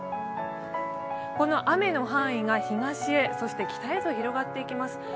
この雨の範囲が東へそして北へと広がっていきます。